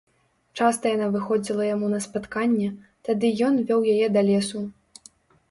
Часта яна выходзіла яму на спатканне, тады ён вёў яе да лесу.